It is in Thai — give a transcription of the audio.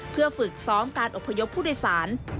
เพื่อฝึกซ้อมการอพยพผู้โดยสาร